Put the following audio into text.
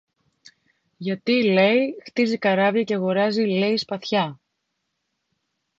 γιατί, λέει, χτίζει καράβια και αγοράζει, λέει, σπαθιά